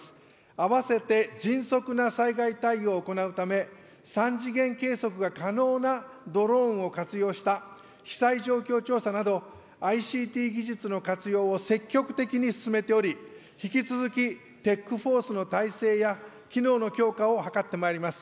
併せて迅速な災害対応を行うため、三次元計測が可能なドローンを活用した、被災状況調査など、ＩＣＴ技術の活用を積極的に進めており、引き続き、ＴＥＣーＦＯＲＣＥの体制や機能の強化を図ってまいります。